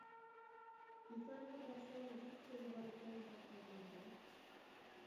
بىكارغا بەرسەم گېپى تولا بالىكەن دەپ قالماڭ ھە!